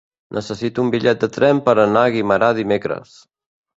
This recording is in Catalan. Necessito un bitllet de tren per anar a Guimerà dimecres.